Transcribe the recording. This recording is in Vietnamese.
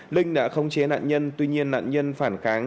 linh đã không chế nạn nhân tuy nhiên nạn nhân phản kháng